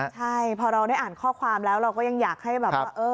ใช่พอเราได้อ่านข้อความแล้วเราก็ยังอยากให้แบบว่า